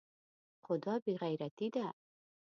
خو دا بې غيرتي ده.